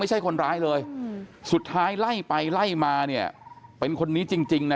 คนร้ายเลยสุดท้ายไล่ไปไล่มาเนี่ยเป็นคนนี้จริงนะ